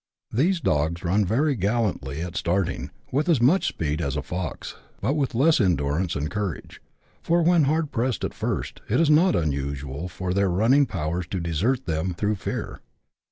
These dogs run very gallantly at starting, with as much speed as a fox, but with less endurance and courage, for, when hard pressed at first, it is not unusual for their running powers to desert them through fear.